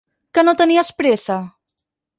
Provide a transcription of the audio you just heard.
Que no tenies pressa?